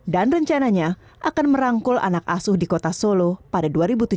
dan rencananya akan merangkul anak asuh di kota solo pada dua ribu tujuh belas